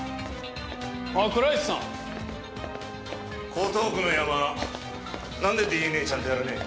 江東区のヤマなんでＤＮＡちゃんとやらねえ。